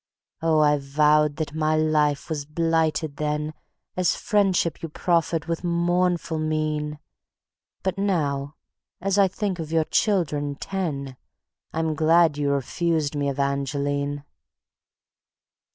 Oh, I vowed that my life was blighted then, As friendship you proffered with mournful mien; But now as I think of your children ten, I'm glad you refused me, Evangeline.